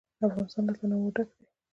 افغانستان له تنوع ډک دی.